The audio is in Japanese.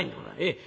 ええ。